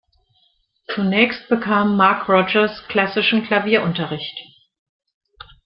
Zunächst bekam Mark Rogers klassischen Klavierunterricht.